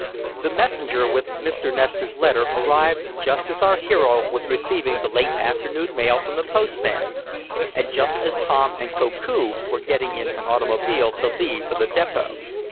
The messenger, with Mr. Nestor's letter, arrived just as our hero was receiving the late afternoon mail from the postman, and just as Tom and Koku were getting in an automobile to leave for the depot.